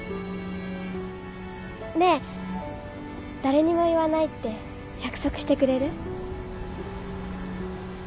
ねえ誰にも言わないって約束してくれる？